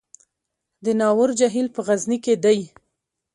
د ناور جهیل په غزني کې دی